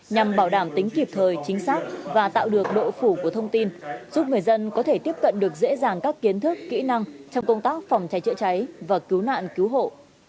nhằm bảo đảm tính kịp thời chính xác và tạo được độ phủ của thông tin giúp người dân có thể tiếp cận được dễ dàng các kiến thức kỹ năng trong công tác phòng cháy chữa cháy và cứu nạn cứu hộ